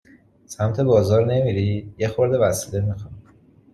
سمت بازار نمیری؟ یه خورده وسیله می خوام